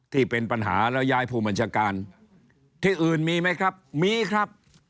ที่เป็นปัญหาแล้วย้ายผู้บัญชาการที่อื่นมีไหมครับมีครับ